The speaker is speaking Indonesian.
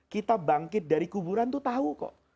kita bangkit dari kuburan itu tahu kok